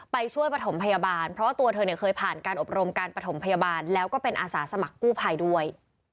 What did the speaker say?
ไปช่วยประถมพยาบาลเพราะว่าตัวเธอเนี่ยเคยผ่านการอบรมการปฐมพยาบาลแล้วก็เป็นอาสาสมัครกู้ภัยด้วย